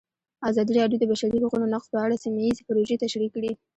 ازادي راډیو د د بشري حقونو نقض په اړه سیمه ییزې پروژې تشریح کړې.